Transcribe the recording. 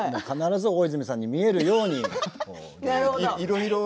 必ず大泉さんに見えるように。